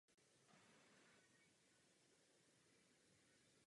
Některé filmy i sama režírovala.